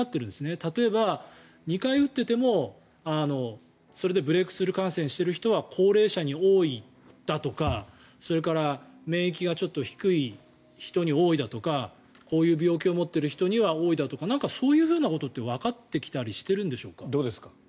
例えば２回打っててもそれでブレークスルー感染している人は高齢者に多いだとかそれから免疫がちょっと低い人に多いだとかこういう病気を持っている人には多いだとか何かそういうことってわかってきたりしているんでしょうか？